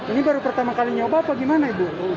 ini baru pertama kali nyoba apa gimana ibu